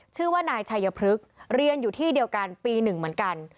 ชื่อว่านายชัยพฤกษ์เรียนอยู่ที่เดียวกันปี๑เหมือนกัน